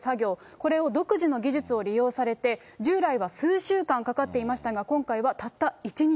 これを独自の技術を利用されて、従来は数週間かかっていましたが、今回はたった１日。